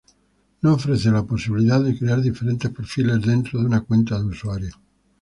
No ofrece la posibilidad de crear diferentes perfiles dentro de una cuenta de usuario.